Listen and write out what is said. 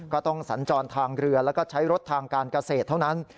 สัญจรทางเรือแล้วก็ใช้รถทางการเกษตรเท่านั้น